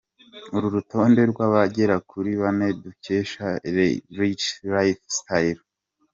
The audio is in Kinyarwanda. uru rutonde rw’abagera kuri bane, dukesha richestlifestyle.